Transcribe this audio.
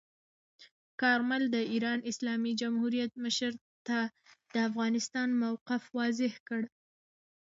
کارمل د ایران اسلامي جمهوریت مشر ته د افغانستان موقف واضح کړ.